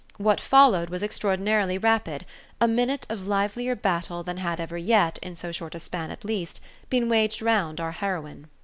What followed was extraordinarily rapid a minute of livelier battle than had ever yet, in so short a span at least, been waged round our heroine.